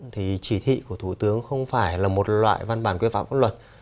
thì chỉ thị của thủ tướng không phải là một loại văn bản quy phạm pháp luật